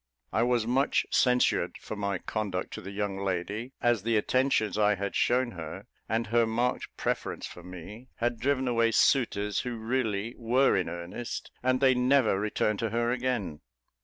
I was much censured for my conduct to the young lady, as the attentions I had shewn her, and her marked preference for me, had driven away suitors who really were in earnest, and they never returned to her again.